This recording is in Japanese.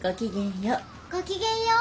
ごきげんよう。